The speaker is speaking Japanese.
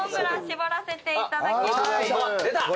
出た。